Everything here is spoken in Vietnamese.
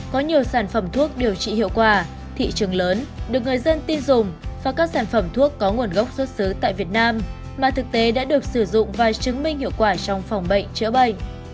có nhiều sản phẩm thuốc điều trị hiệu quả thị trường lớn được người dân tin dùng và các sản phẩm thuốc có nguồn gốc xuất xứ tại việt nam mà thực tế đã được sử dụng và chứng minh hiệu quả trong phòng bệnh chữa bệnh